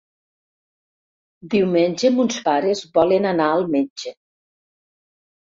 Diumenge mons pares volen anar al metge.